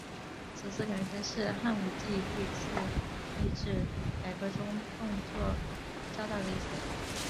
此次改革是汉武帝历次币制改革中动作较大的一次。